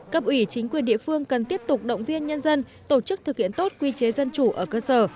cấp ủy chính quyền địa phương cần tiếp tục động viên nhân dân tổ chức thực hiện tốt quy chế dân chủ ở cơ sở